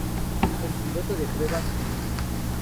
El piloto de pruebas Yu.